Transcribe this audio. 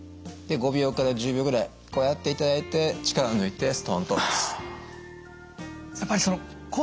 で５秒から１０秒ぐらいこうやっていただいて力を抜いてストンと下ろす。